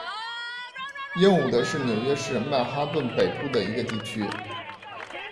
英伍德是纽约市曼哈顿北部的一个地区。